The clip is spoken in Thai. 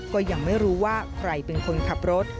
ก็ยังไม่รู้ว่าใครเป็นคนขับรถ